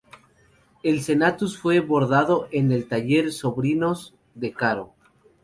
El senatus fue bordado en el taller Sobrinos de Caro.